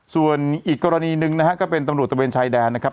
ส่วนอีกกรณีหนึ่งนะฮะก็เป็นตำรวจตะเวนชายแดนนะครับ